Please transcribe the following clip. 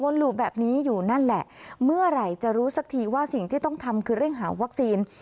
หลูบแบบนี้อยู่นั่นแหละเมื่อไหร่จะรู้สักทีว่าสิ่งที่ต้องทำคือเร่งหาวัคซีน